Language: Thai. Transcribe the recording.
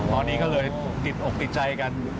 ตอนนี้ก็เลยติดอกติดใจกัน